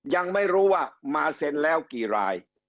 ยังไม่รู้ว่ามาเซ็นแล้วกี่ราย